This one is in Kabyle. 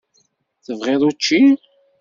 Tebɣiḍ učči?